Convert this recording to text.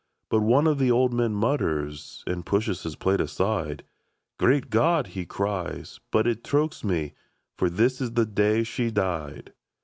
But one of the old men mutters, And pushes his plate aside :" Great God !'* he cries ;" but it chokes me ! For this is the day she died."